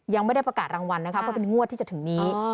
ยังไม่ได้ประกาศรางวัลนะคะเพราะเป็นงวดที่จะถึงนี้